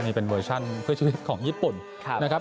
นี่เป็นเวอร์ชั่นเพื่อชีวิตของญี่ปุ่นนะครับ